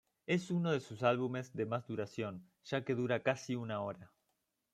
Es uno de sus álbumes de más duración, ya que dura casi una hora.